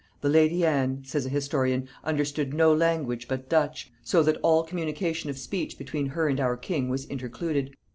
"The lady Anne," says a historian, "understood no language but Dutch, so that all communication of speech between her and our king was intercluded.